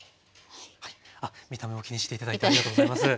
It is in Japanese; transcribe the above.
あっ見た目も気にして頂いてありがとうございます。